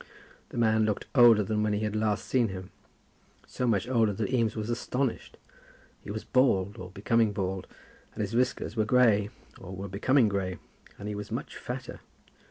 The man looked older than when he had last seen him, so much older that Eames was astonished. He was bald, or becoming bald; and his whiskers were grey, or were becoming grey, and he was much fatter.